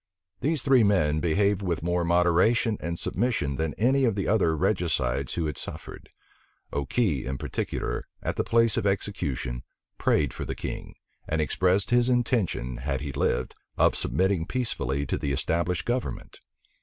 These three men behaved with more moderation and submission than any of the other regicides who had suffered. Okey in particular, at the place of execution, prayed for the king, and expressed his intention, had he lived, of submitting peaceably to the established government.